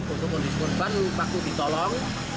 untuk kondisi korban pak putra ditolong